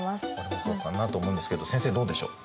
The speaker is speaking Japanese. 僕もそうかなと思うんですけど先生どうでしょう？